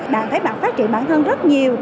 bạn thấy bạn phát triển bản thân rất nhiều